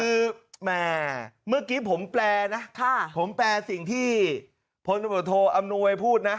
คือแม่เมื่อกี้ผมแปลนะผมแปลสิ่งที่พศอำนวยพูดนะ